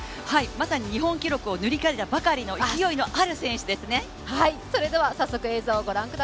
まさに日本記録を塗り替えたばかりの勢いのある選手ですね。